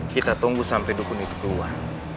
kita tunggu sampai dukun itu keluar